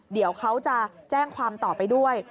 เดี๋ยวเขาจะแจ้งความต่อไปด้วย